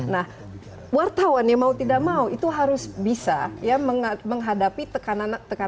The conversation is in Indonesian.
nah wartawan ya mau tidak mau itu harus bisa ya menghadapi tekanan